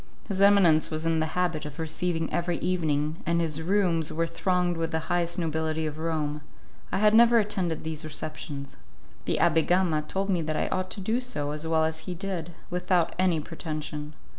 His eminence was in the habit of receiving every evening, and his rooms were thronged with the highest nobility of Rome; I had never attended these receptions. The Abbé Gama told me that I ought to do so as well as he did, without any pretension.